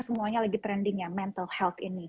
semuanya lagi trendingnya mental health ini